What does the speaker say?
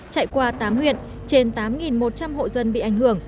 chạy qua tám huyện trên tám một trăm linh hộ dân bị ảnh hưởng